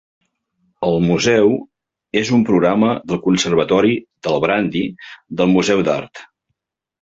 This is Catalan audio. El museu és un programa del Conservatori del Brandi del Museu d'Art.